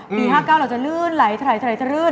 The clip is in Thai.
ปี๕๙เราจะลื่นไหลจะรื่น